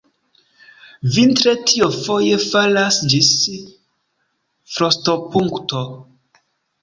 Vintre tio foje falas ĝis frostopunkto.